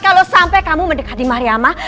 kalau sampai kamu mendekati mariamah